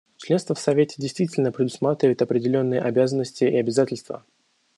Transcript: Членство в Совете действительно предусматривает определенные обязанности и обязательства.